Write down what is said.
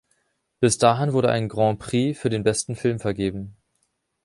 Bis dahin wurde ein "Grand Prix" für den besten Film vergeben.